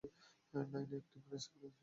নায়না এখানে একটি প্লেস্কুল চালায়।